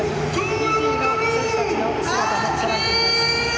フィジーの選手たちの姿をとらえています。